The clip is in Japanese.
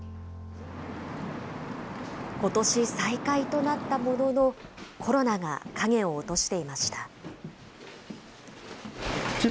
ことし再開となったものの、コロナが影を落としていました。